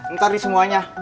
ntar di semuanya